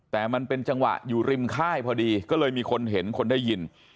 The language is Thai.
แต่มันเป็นจังหวะอยู่ริมค่ายพอดีก็เลยมีคนเห็นคนได้ยิน